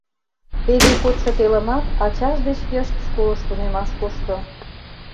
Теве кодшо телымат ачаж деч йышт школыш тунемаш кошто.